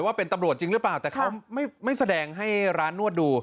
ว่าเป็นตำรวจจริงหรือเปล่าแต่เขาไม่แสดงให้ร้านนวดดู